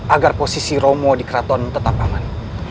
agar posisi romo di keraton tetap aman